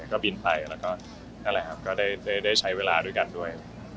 ก็บินไปได้ใช้เวลาด้วยกันด้วย